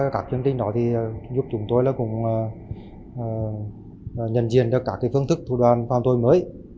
các chương trình đó giúp chúng tôi nhận diện các phương thức thủ đoàn phạm tội mới